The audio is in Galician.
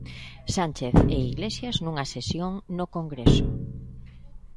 Sánchez e Iglesias nunha sesión no Congreso.